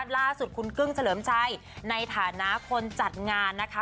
ล่าสุดคุณกึ้งเฉลิมชัยในฐานะคนจัดงานนะคะ